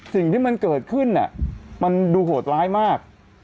สิ่งที่มันเกิดขึ้นมันดูโหดร้ายมาก